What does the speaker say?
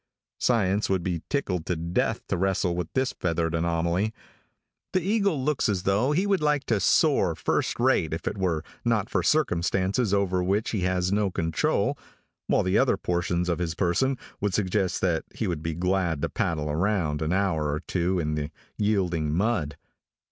Science would be tickled to death to wrestle with this feathered anomaly. The eagle looks as though he would like to soar first rate if it were not for circumstances over which he has no control, while the other portions of his person would suggest that he would be glad to paddle around an hour or two in the yielding mud.